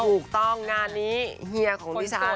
ถูกต้องหน้านี้เฮียของพี่ฉัน